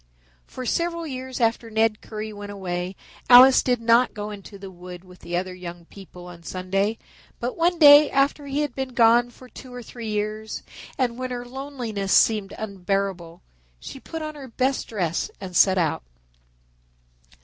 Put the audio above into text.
For several years after Ned Currie went away Alice did not go into the wood with the other young people on Sunday, but one day after he had been gone for two or three years and when her loneliness seemed unbearable, she put on her best dress and set out.